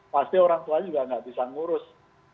pasti orang tua juga tidak bisa mengurus